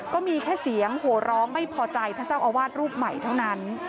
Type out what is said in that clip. ก็มีแค่เสียงโหร้องไม่พอใจท่านเจ้าอาวาสรูปใหม่เท่านั้น